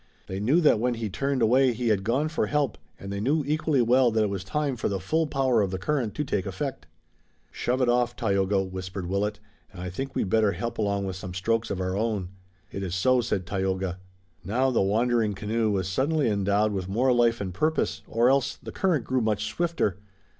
They knew that when he turned away he had gone for help and they knew equally well that it was time for the full power of the current to take effect. "Shove it off, Tayoga," whispered Willet, "and I think we'd better help along with some strokes of our own." "It is so," said Tayoga. Now the wandering canoe was suddenly endowed with more life and purpose, or else the current grew much swifter.